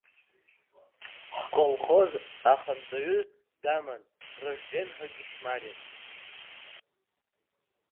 Ҳколхоз ахантәаҩыс даман Ражьден ҳәа Кьышьмариак.